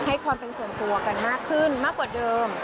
ให้ความเป็นส่วนตัวกันมากขึ้นมากกว่าเดิม